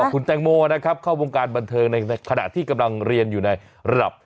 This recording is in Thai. คุณแตงโมนะครับเข้าวงการบันเทิงในขณะที่กำลังเรียนอยู่ในระดับ